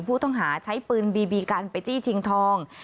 ผู้ต้องหาใช้ปืนบีบีกันไปจี้ชิงทอง